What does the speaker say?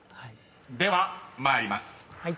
［では参ります］